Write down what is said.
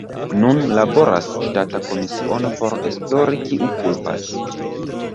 Nun laboras ŝtata komisiono por esplori, kiu kulpas.